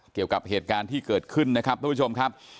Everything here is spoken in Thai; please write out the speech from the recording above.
เกี่ยวกับเหตุการณ์ที่เกิดขึ้นนะครับทุกผู้ชมครับ